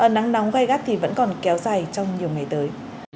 nắng nóng gai gắt thì vẫn còn kéo dài trong nhiều ngày tới